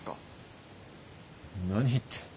何って。